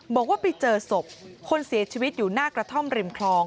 บอกว่าไปเจอศพคนเสียชีวิตอยู่หน้ากระท่อมริมคลอง